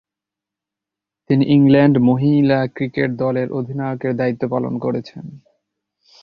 তিনি ইংল্যান্ড মহিলা ক্রিকেট দলের অধিনায়কের দায়িত্ব পালন করেছেন।